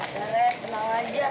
jangan tenang aja